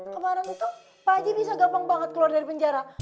kemarin itu pak haji bisa gampang banget keluar dari penjara